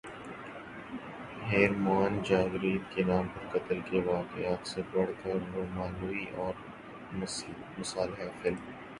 ہیر مان جا غیرت کے نام پر قتل کے واقعات سے بڑھ کر رومانوی اور مصالحہ فلم